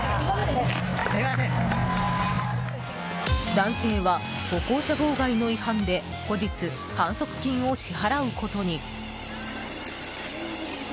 男性は歩行者妨害の違反で後日、反則金を支払うことに。